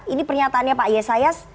ini pernyataannya pak yesayas